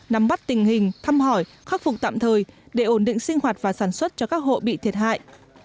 nắm bắt tình hình thăm hỏi khắc phục tạm thời để ổn định sinh hoạt và sản xuất cho các hộ bị thiệt hại